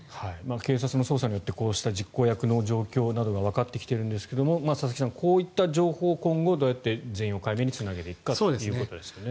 警察の捜査によってこうした実行役の状況などがわかってきているんですが佐々木さん、こういった情報を今後全容解明につなげていくかということですね。